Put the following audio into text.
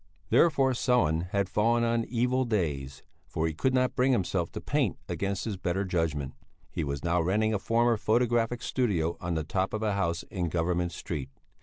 Therefore Sellén had fallen on evil days, for he could not bring himself to paint against his better judgment. He was now renting a former photographic studio on the top of a house in Government Street.